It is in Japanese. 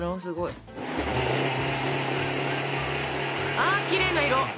あきれいな色！